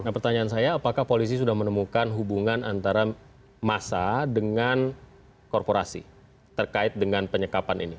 nah pertanyaan saya apakah polisi sudah menemukan hubungan antara massa dengan korporasi terkait dengan penyekapan ini